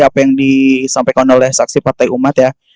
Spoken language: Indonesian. apa yang disampaikan oleh saksi partai umat ya